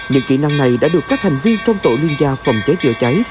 những kỹ năng này đã được các thành viên trong tổ liên gia phòng cháy chữa cháy